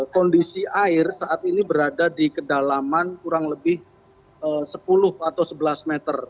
kondisi air saat ini berada di kedalaman kurang lebih sepuluh atau sebelas meter